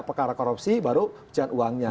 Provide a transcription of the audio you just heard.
perkara korupsi baru cucian uangnya